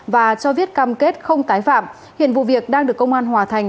và cho viết cam kết không tái phạm hiện vụ việc đang được công an hòa thành